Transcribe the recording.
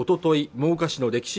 真岡市の歴史